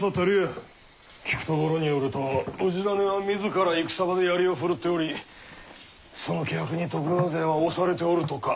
聞くところによると氏真は自ら戦場で槍を振るっておりその気迫に徳川勢は押されておるとか。